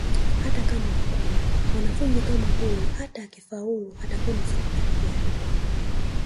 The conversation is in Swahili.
Hata kama mkuu mwanafunzi kama huyu hata akifaulu atakwenda Sekondari gani